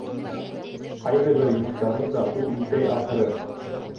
Ҡайһы бер йомоштарын да ул үтәй, ахыры.